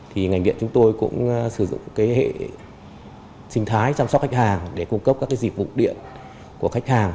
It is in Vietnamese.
thì ngành điện chúng tôi cũng sử dụng hệ sinh thái chăm sóc khách hàng để cung cấp các dịch vụ điện của khách hàng